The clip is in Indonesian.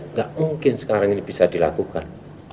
nggak mungkin sekarang ini bisa dilakukan